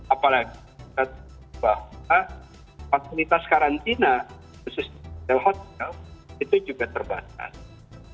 apalagi kita tahu bahwa fasilitas karantina khusus hotel hotel itu juga terbatas